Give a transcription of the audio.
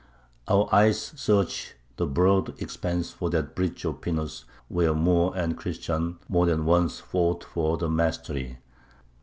Our eyes search the broad expanse for that bridge of Pinos where Moor and Christian more than once fought for the mastery.